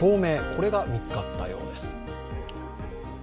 これが見つかったようです。